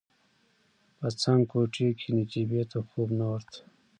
په څنګ کوټې کې نجيبې ته خوب نه ورته.